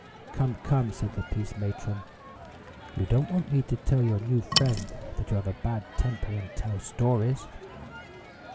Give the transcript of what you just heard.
"Come, come," said the police matron, "you don't want me to tell your new friend that you have a bad temper and tell stories."